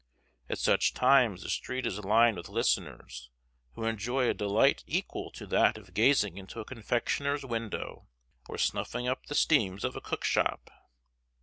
At such times the street is lined with listeners, who enjoy a delight equal to that of gazing into a confectioner's window or snuffing up the steams of a cook shop.